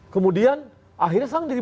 kemudian akhirnya sangat diri